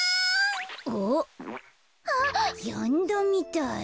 あっやんだみたい。